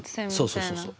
そうそうそうそう。